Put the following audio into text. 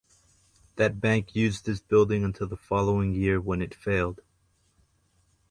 That bank used this building until the following year when it failed.